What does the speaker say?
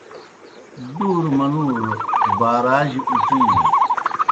ڈُورُوْ منُوڙوْ باراجیْ اُڇِینوْ۔